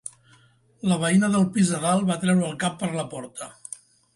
La veïna del pis de dalt va treure el cap per la porta.